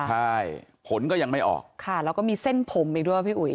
ใช่ผลก็ยังไม่ออกค่ะแล้วก็มีเส้นผมอีกด้วยพี่อุ๋ย